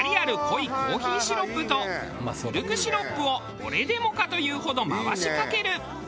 濃いコーヒーシロップとミルクシロップをこれでもかというほど回しかける。